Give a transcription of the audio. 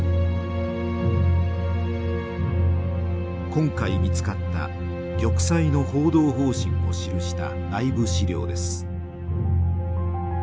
今回見つかった玉砕の報道方針を記した内部資料です。